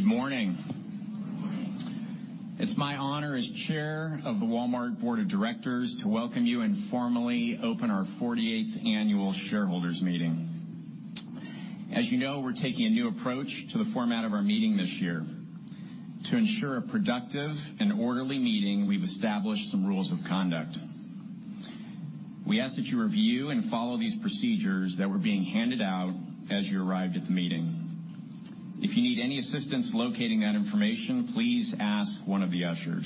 Good morning. Good morning. It's my honor as Chair of the Walmart Board of Directors to welcome you and formally open our 48th Annual Shareholders' Meeting. As you know, we're taking a new approach to the format of our meeting this year. To ensure a productive and orderly meeting, we've established some rules of conduct. We ask that you review and follow these procedures that were being handed out as you arrived at the meeting. If you need any assistance locating that information, please ask one of the ushers.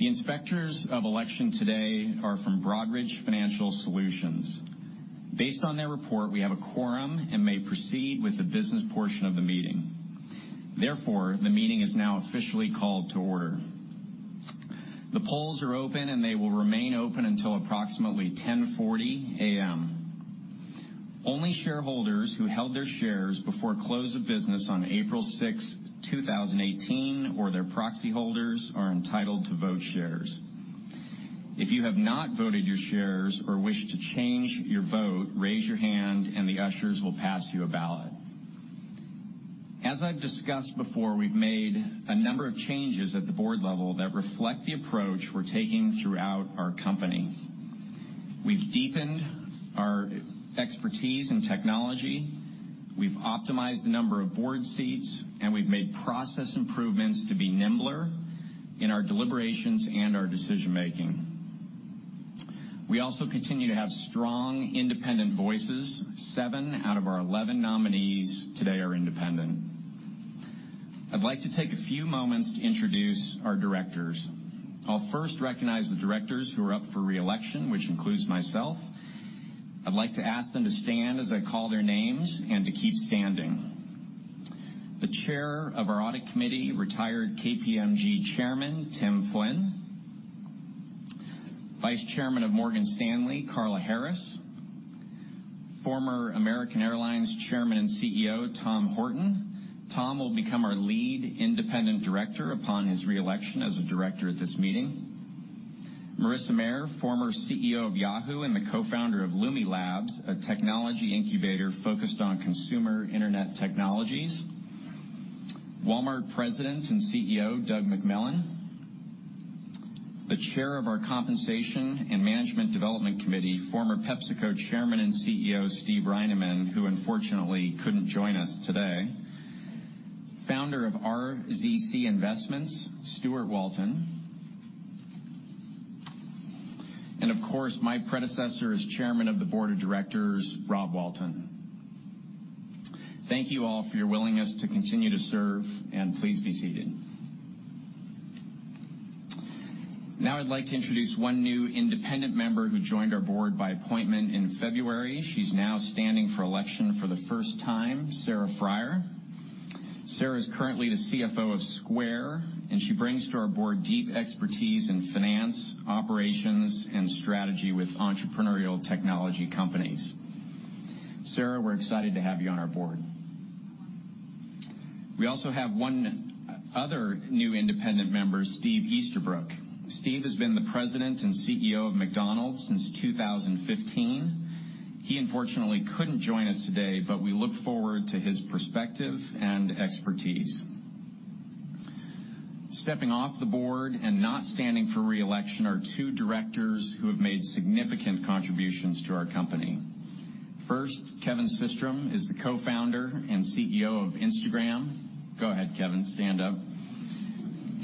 The Inspectors of Election today are from Broadridge Financial Solutions. Based on their report, we have a quorum and may proceed with the business portion of the meeting. Therefore, the meeting is now officially called to order. The polls are open, and they will remain open until approximately 10:40 A.M. Only shareholders who held their shares before close of business on April 6, 2018, or their proxy holders are entitled to vote shares. If you have not voted your shares or wish to change your vote, raise your hand and the ushers will pass you a ballot. As I've discussed before, we've made a number of changes at the board level that reflect the approach we're taking throughout our company. We've deepened our expertise in technology, we've optimized the number of board seats, and we've made process improvements to be nimbler in our deliberations and our decision-making. We also continue to have strong independent voices. Seven out of our 11 nominees today are independent. I'd like to take a few moments to introduce our directors. I'll first recognize the directors who are up for re-election, which includes myself. I'd like to ask them to stand as I call their names and to keep standing. The Chair of our Audit Committee, retired KPMG Chairman, Tim Flynn. Vice Chairman of Morgan Stanley, Carla Harris. Former American Airlines Chairman and CEO, Tom Horton. Tom will become our lead independent director upon his re-election as a director at this meeting. Marissa Mayer, former CEO of Yahoo and the co-founder of Lumi Labs, a technology incubator focused on consumer internet technologies. Walmart President and CEO, Doug McMillon. The Chair of our Compensation and Management Development Committee, former PepsiCo Chairman and CEO, Steve Reinemund, who unfortunately couldn't join us today. Founder of RZC Investments, Steuart Walton. Of course, my predecessor as Chairman of the Board of Directors, Rob Walton. Thank you all for your willingness to continue to serve. Please be seated. I'd like to introduce one new independent member who joined our board by appointment in February. She's now standing for election for the first time, Sarah Friar. Sarah's currently the CFO of Square. She brings to our board deep expertise in finance, operations, and strategy with entrepreneurial technology companies. Sarah, we're excited to have you on our board. We also have one other new independent member, Steve Easterbrook. Steve has been the President and CEO of McDonald's since 2015. He unfortunately couldn't join us today. We look forward to his perspective and expertise. Stepping off the board and not standing for re-election are two directors who have made significant contributions to our company. First, Kevin Systrom is the co-founder and CEO of Instagram. Go ahead, Kevin, stand up.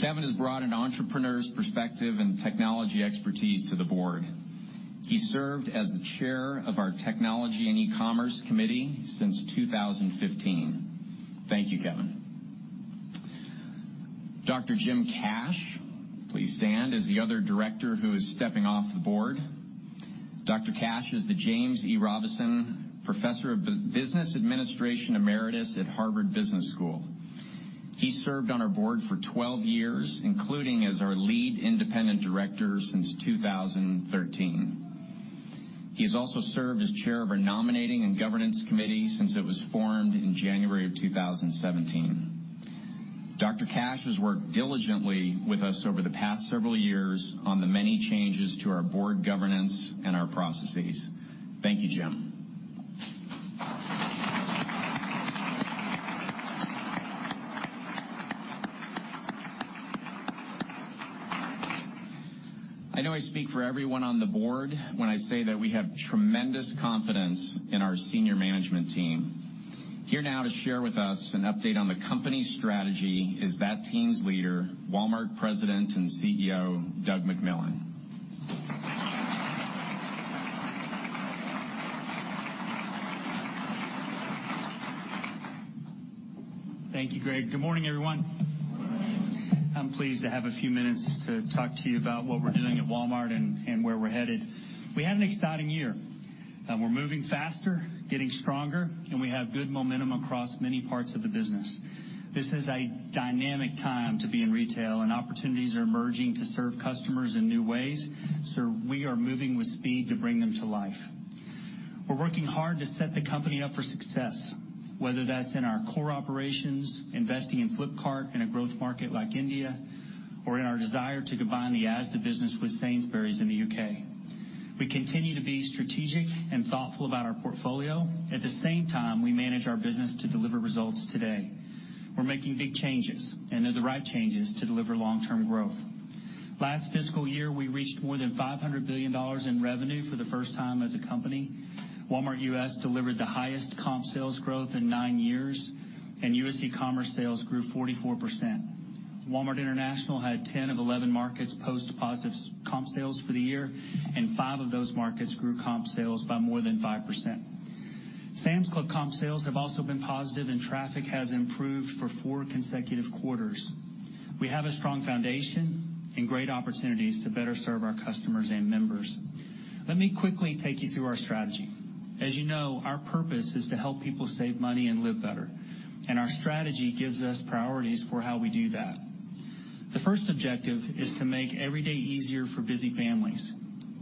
Kevin has brought an entrepreneur's perspective and technology expertise to the board. He served as the Chair of our Technology and eCommerce Committee since 2015. Thank you, Kevin. Dr. Jim Cash, please stand, is the other director who is stepping off the board. Dr. Cash is the James E. Robison Professor of Business Administration, Emeritus at Harvard Business School. He served on our board for 12 years, including as our lead independent director since 2013. He has also served as Chair of our Nominating and Governance Committee since it was formed in January of 2017. Dr. Cash has worked diligently with us over the past several years on the many changes to our board governance and our processes. Thank you, Jim. I know I speak for everyone on the board when I say that we have tremendous confidence in our senior management team. Here now to share with us an update on the company strategy is that team's leader, Walmart President and CEO, Doug McMillon. Thank you, Greg. Good morning, everyone. I'm pleased to have a few minutes to talk to you about what we're doing at Walmart and where we're headed. We had an exciting year. We're moving faster, getting stronger, we have good momentum across many parts of the business. This is a dynamic time to be in retail and opportunities are emerging to serve customers in new ways, we are moving with speed to bring them to life. We're working hard to set the company up for success, whether that's in our core operations, investing in Flipkart in a growth market like India, or in our desire to combine the Asda business with Sainsbury's in the U.K. We continue to be strategic and thoughtful about our portfolio. At the same time, we manage our business to deliver results today. We're making big changes, they're the right changes to deliver long-term growth. Last fiscal year, we reached more than $500 billion in revenue for the first time as a company. Walmart U.S. delivered the highest comp sales growth in nine years, U.S. e-commerce sales grew 44%. Walmart International had 10 of 11 markets post positive comp sales for the year, five of those markets grew comp sales by more than 5%. Sam's Club comp sales have also been positive, traffic has improved for four consecutive quarters. We have a strong foundation great opportunities to better serve our customers and members. Let me quickly take you through our strategy. As you know, our purpose is to help people save money and live better, our strategy gives us priorities for how we do that. The first objective is to make every day easier for busy families.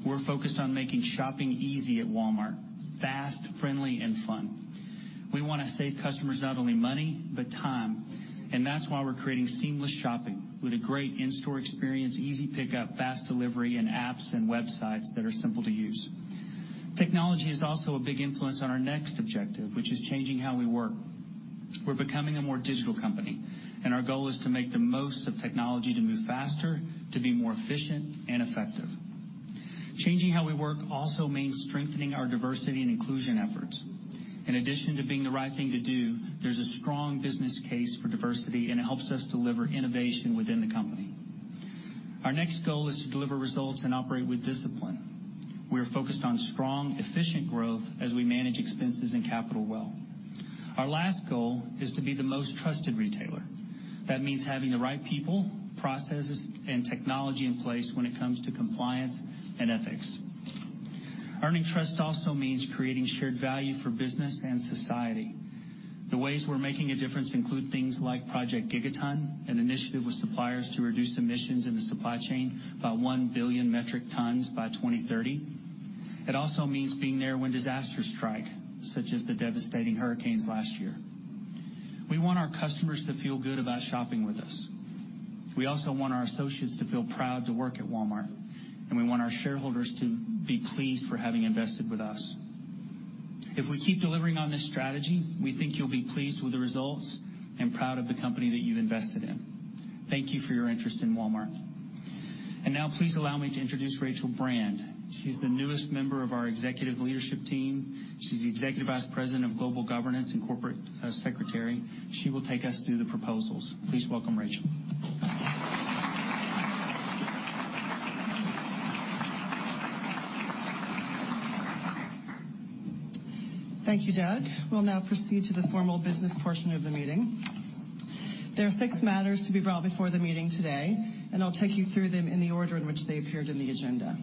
We're focused on making shopping easy at Walmart, fast, friendly, and fun. We want to save customers not only money, but time, and that's why we're creating seamless shopping with a great in-store experience, easy pickup, fast delivery, and apps and websites that are simple to use. Technology is also a big influence on our next objective, which is changing how we work. We're becoming a more digital company, and our goal is to make the most of technology to move faster, to be more efficient and effective. Changing how we work also means strengthening our diversity and inclusion efforts. In addition to being the right thing to do, there's a strong business case for diversity, and it helps us deliver innovation within the company. Our next goal is to deliver results and operate with discipline. We're focused on strong, efficient growth as we manage expenses and capital well. Our last goal is to be the most trusted retailer. That means having the right people, processes, and technology in place when it comes to compliance and ethics. Earning trust also means creating shared value for business and society. The ways we're making a difference include things like Project Gigaton, an initiative with suppliers to reduce emissions in the supply chain by 1 billion metric tons by 2030. It also means being there when disasters strike, such as the devastating hurricanes last year. We want our customers to feel good about shopping with us. We also want our associates to feel proud to work at Walmart, and we want our shareholders to be pleased for having invested with us. If we keep delivering on this strategy, we think you'll be pleased with the results and proud of the company that you've invested in. Thank you for your interest in Walmart. Now please allow me to introduce Rachel Brand. She's the newest member of our executive leadership team. She's the Executive Vice President of Global Governance and Corporate Secretary. She will take us through the proposals. Please welcome Rachel. Thank you, Doug. We'll now proceed to the formal business portion of the meeting. There are six matters to be brought before the meeting today. I'll take you through them in the order in which they appeared in the agenda.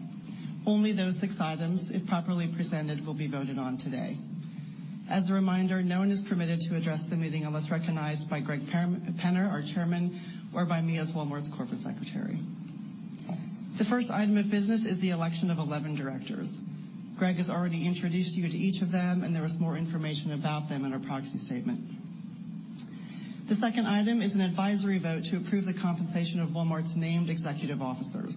Only those six items, if properly presented, will be voted on today. As a reminder, no one is permitted to address the meeting unless recognized by Greg Penner, our chairman, or by me as Walmart's corporate secretary. The first item of business is the election of 11 directors. Greg has already introduced you to each of them. There is more information about them in our proxy statement. The second item is an advisory vote to approve the compensation of Walmart's named executive officers.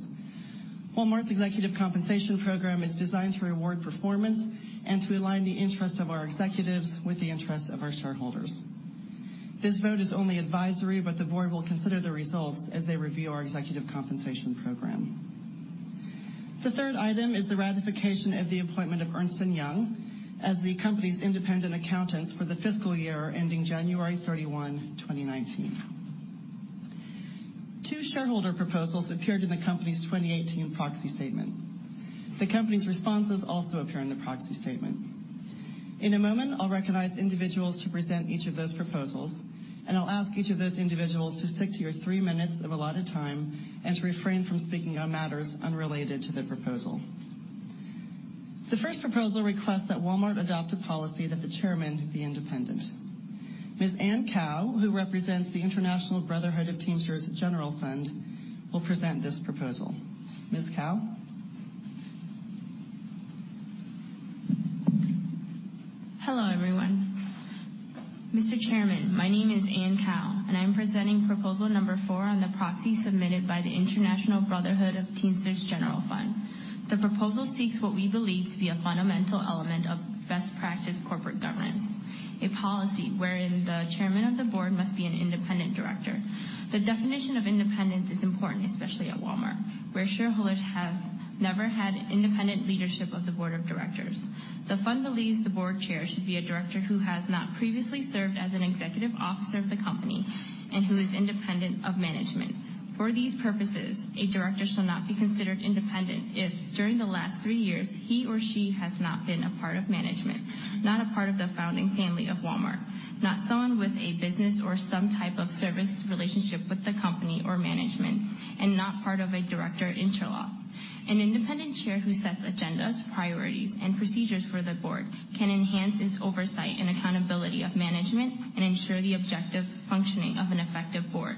Walmart's executive compensation program is designed to reward performance and to align the interests of our executives with the interests of our shareholders. This vote is only advisory, The board will consider the results as they review our executive compensation program. The third item is the ratification of the appointment of Ernst & Young as the company's independent accountants for the fiscal year ending January 31, 2019. Two shareholder proposals appeared in the company's 2018 proxy statement. The company's responses also appear in the proxy statement. In a moment, I'll recognize individuals to present each of those proposals, I'll ask each of those individuals to stick to your three minutes of allotted time and to refrain from speaking on matters unrelated to the proposal. The first proposal requests that Walmart adopt a policy that the chairman be independent. Ms. Anne Cao, who represents the International Brotherhood of Teamsters General Fund, will present this proposal. Ms. Cao? Hello, everyone. Mr. Chairman, my name is Anne Cao, I'm presenting proposal number four on the proxy submitted by the International Brotherhood of Teamsters General Fund. The proposal seeks what we believe to be a fundamental element of best practice corporate governance, a policy wherein the chairman of the board must be an independent director. The definition of independence is important, especially at Walmart, where shareholders have never had independent leadership of the board of directors. The fund believes the board chair should be a director who has not previously served as an executive officer of the company and who is independent of management. For these purposes, a director shall not be considered independent if, during the last three years, he or she has not been a part of management, not a part of the founding family of Walmart, not someone with a business or some type of service relationship with the company or management, Not part of a director interlock. An independent chair who sets agendas, priorities, and procedures for the board can enhance its oversight and accountability of management and ensure the objective functioning of an effective board.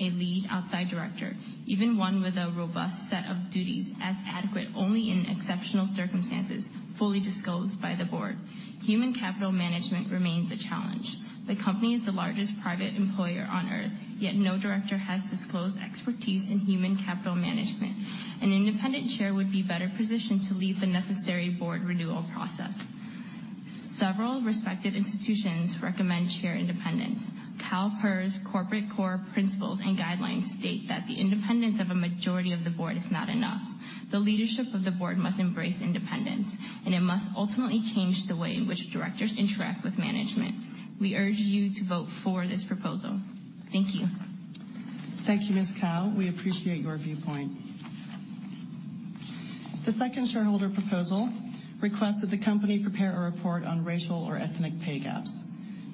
A lead outside director, even one with a robust set of duties, as adequate only in exceptional circumstances, fully disclosed by the board. Human capital management remains a challenge. The company is the largest private employer on Earth, yet no director has disclosed expertise in human capital management. An independent chair would be better positioned to lead the necessary board renewal process. Several respected institutions recommend chair independence. CalPERS Corporate Core Principles and Guidelines state that the independence of a majority of the board is not enough. The leadership of the board must embrace independence, It must ultimately change the way in which directors interact with management. We urge you to vote for this proposal. Thank you. Thank you, Ms. Cao. We appreciate your viewpoint. The second shareholder proposal requests that the company prepare a report on racial or ethnic pay gaps.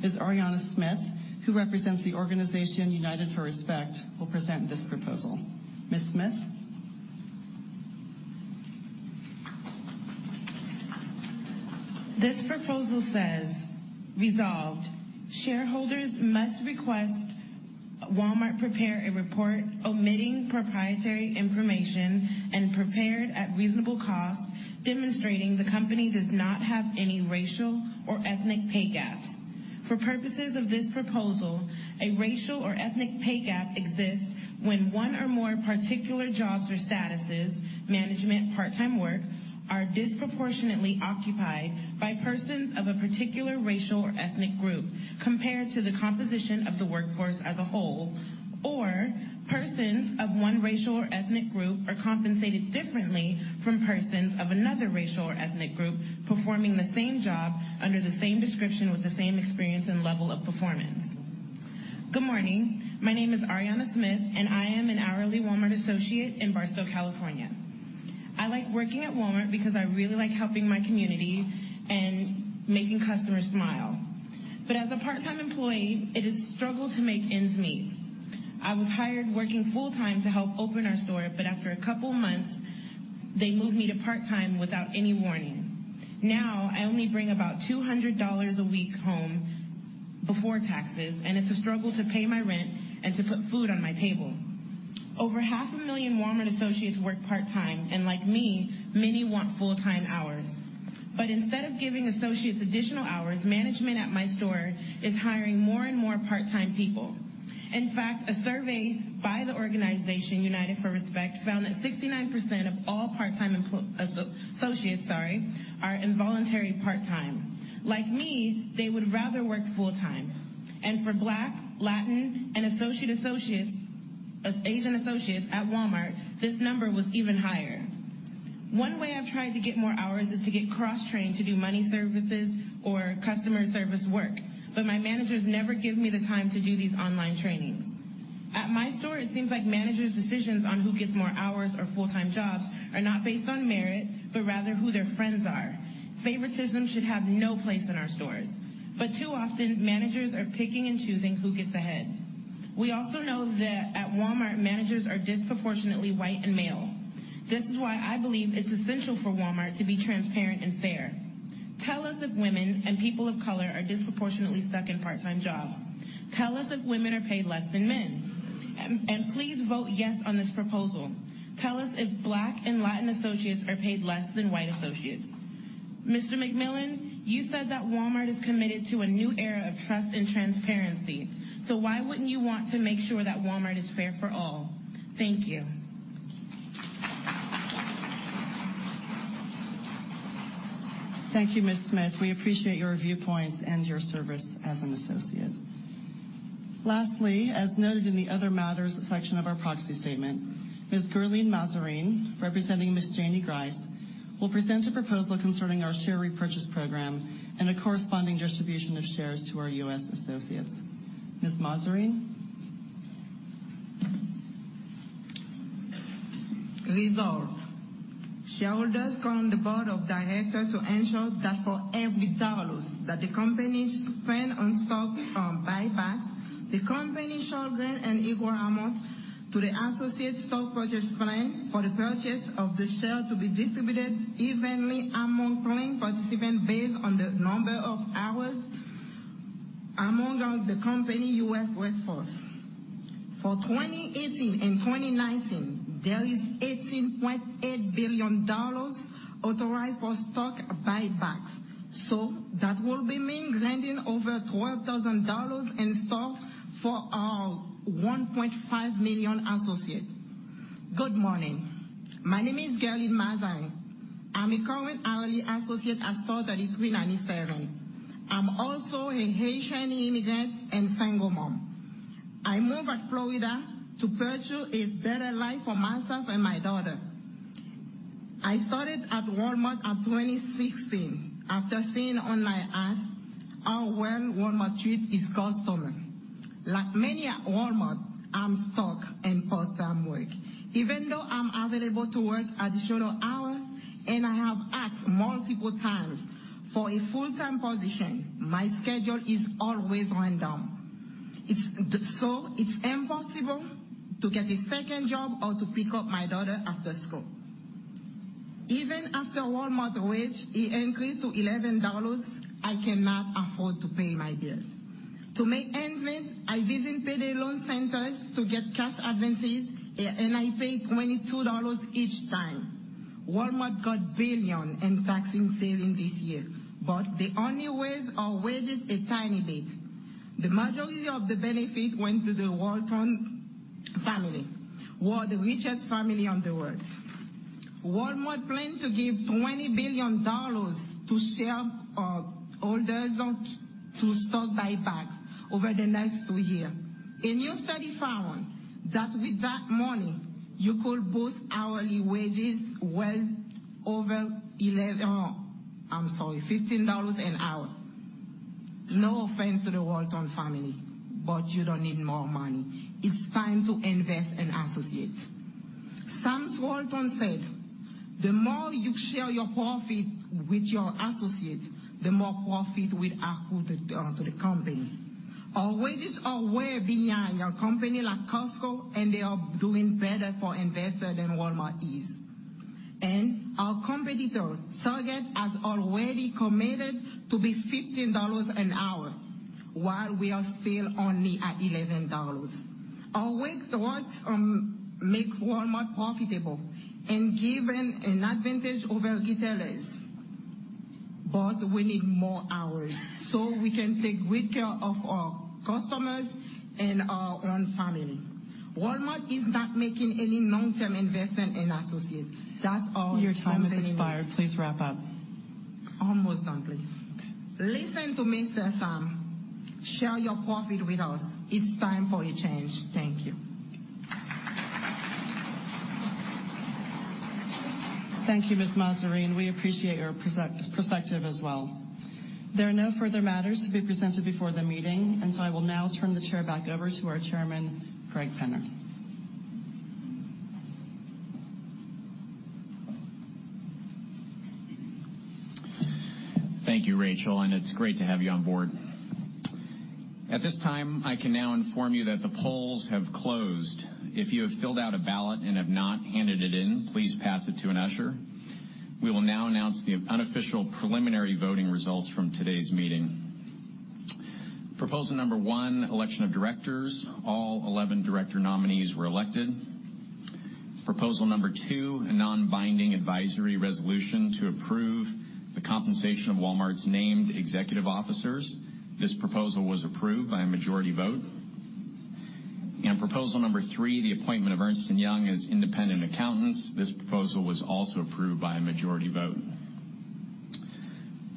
Ms. Ariyana Smith, who represents the organization United for Respect, will present this proposal. Ms. Smith? This proposal says, resolved, shareholders must request Walmart prepare a report omitting proprietary information and prepared at reasonable cost, demonstrating the company does not have any racial or ethnic pay gaps. For purposes of this proposal, a racial or ethnic pay gap exists when one or more particular jobs or statuses, management, part-time work, are disproportionately occupied by persons of a particular racial or ethnic group compared to the composition of the workforce as a whole, or persons of one racial or ethnic group are compensated differently from persons of another racial or ethnic group performing the same job under the same description with the same experience and level of performance. Good morning. My name is Ariyana Smith, and I am an hourly Walmart associate in Barstow, California. I like working at Walmart because I really like helping my community and making customers smile. As a part-time employee, it is a struggle to make ends meet. I was hired working full-time to help open our store, but after a couple of months, they moved me to part-time without any warning. Now, I only bring about $200 a week home before taxes, and it's a struggle to pay my rent and to put food on my table. Over half a million Walmart associates work part-time, and like me, many want full-time hours. Instead of giving associates additional hours, management at my store is hiring more and more part-time people. In fact, a survey by the organization United for Respect found that 69% of all part-time associates are involuntary part-time. Like me, they would rather work full-time. For Black, Latin, and Asian associates at Walmart, this number was even higher. One way I've tried to get more hours is to get cross-trained to do money services or customer service work, but my managers never give me the time to do these online trainings. At my store, it seems like managers' decisions on who gets more hours or full-time jobs are not based on merit, but rather who their friends are. Favoritism should have no place in our stores. Too often, managers are picking and choosing who gets ahead. We also know that at Walmart, managers are disproportionately white and male. This is why I believe it's essential for Walmart to be transparent and fair. Tell us if women and people of color are disproportionately stuck in part-time jobs. Tell us if women are paid less than men. Please vote yes on this proposal. Tell us if Black and Latin associates are paid less than white associates. Mr. McMillon, you said that Walmart is committed to a new era of trust and transparency, why wouldn't you want to make sure that Walmart is fair for all? Thank you. Thank you, Ms. Smith. We appreciate your viewpoints and your service as an associate. Lastly, as noted in the other matters section of our proxy statement, Ms. Guerline Mazarin, representing Ms. Janie Grice, will present a proposal concerning our share repurchase program and a corresponding distribution of shares to our U.S. associates. Ms. Mazarin? Resolved. Shareholders call on the board of directors to ensure that for every dollars that the company spend on stock from buyback, the company shall grant an equal amount to the associates' stock purchase plan for the purchase of the share to be distributed evenly among plan participants based on the number of hours among the company U.S. workforce. For 2018 and 2019, there is $18.8 billion authorized for stock buybacks. That will be mean granting over $12,000 in stock for our 1.5 million associates. Good morning. My name is Guerline Mazarin. I'm a current hourly associate at store 3397. I'm also a Haitian immigrant and single mom. I moved at Florida to pursue a better life for myself and my daughter. I started at Walmart at 2016 after seeing online ad how well Walmart treats its customer. Like many at Walmart, I'm stuck in part-time work. Even though I'm available to work additional hours and I have asked multiple times for a full-time position, my schedule is always random. It's impossible to get a second job or to pick up my daughter after school. Even after Walmart wage increased to $11, I cannot afford to pay my bills. To make ends meet, I visit payday loan centers to get cash advances, and I pay $22 each time. Walmart got billions in tax savings this year, but they only raised our wages a tiny bit. The majority of the benefit went to the Walton family, who are the richest family in the world. Walmart planned to give $20 billion to shareholders through stock buybacks over the next two year. A new study found that with that money, you could boost hourly wages well over 11. Oh, I'm sorry, $15 an hour. No offense to the Walton family, but you don't need more money. It's time to invest in associates. Sam Walton said, "The more you share your profit with your associates, the more profit will accrue to the company." Our wages are way behind a company like Costco, and they are doing better for investors than Walmart is. Our competitor, Target, has already committed to be $15 an hour while we are still only at $11. Our wage growth make Walmart profitable and given an advantage over retailers. We need more hours so we can take good care of our customers and our own family. Walmart is not making any long-term investment in associates. That's our. Your time has expired. Please wrap up. Almost done, please. Okay. Listen to Mr. Sam. Share your profit with us. It's time for a change. Thank you. Thank you, Ms. Mazarin. We appreciate your perspective as well. There are no further matters to be presented before the meeting. I will now turn the chair back over to our Chairman, Greg Penner. Thank you, Rachel. It's great to have you on board. At this time, I can now inform you that the polls have closed. If you have filled out a ballot and have not handed it in, please pass it to an usher. We will now announce the unofficial preliminary voting results from today's meeting. Proposal number one, election of directors, all 11 director nominees were elected. Proposal number two, a non-binding advisory resolution to approve the compensation of Walmart's named executive officers. This proposal was approved by a majority vote. Proposal number three, the appointment of Ernst & Young as independent accountants. This proposal was also approved by a majority vote.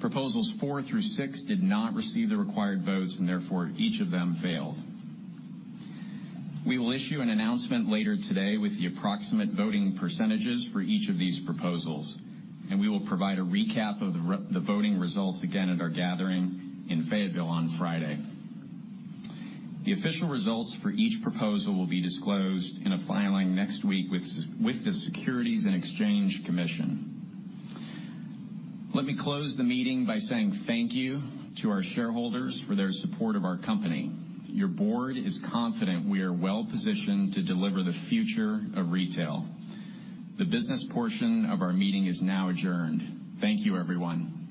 Proposals four through six did not receive the required votes, therefore, each of them failed. We will issue an announcement later today with the approximate voting percentages for each of these proposals. We will provide a recap of the voting results again at our gathering in Fayetteville on Friday. The official results for each proposal will be disclosed in a filing next week with the Securities and Exchange Commission. Let me close the meeting by saying thank you to our shareholders for their support of our company. Your board is confident we are well-positioned to deliver the future of retail. The business portion of our meeting is now adjourned. Thank you, everyone.